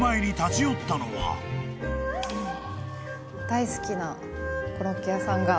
大好きなコロッケ屋さんが。